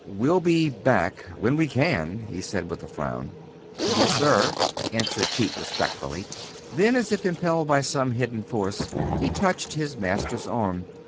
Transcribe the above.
"We'll be back when we can," he said, with a frown. "Yes, sir," answered Pete, respectfully. Then, as if impelled by some hidden force, he touched his master's arm.